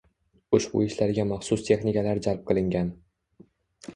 Ushbu ishlarga maxsus texnikalar jalb qilingan